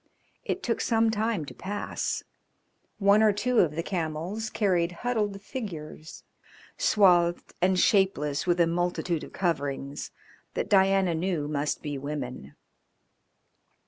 It took some time to pass. One of two of the camels carried huddled figures, swathed and shapeless with a multitude of coverings, that Diana knew must be women.